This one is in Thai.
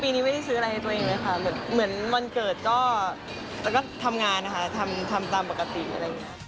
นี้ไม่ได้ซื้ออะไรให้ตัวเองเลยค่ะเหมือนวันเกิดก็แล้วก็ทำงานนะคะทำตามปกติอะไรอย่างนี้